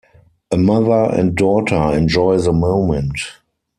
A mother and daughter enjoy the moment.